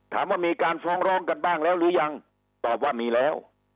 ถามว่ามีการฟ้องร้องกันบ้างแล้วหรือยังตอบว่ามีแล้ว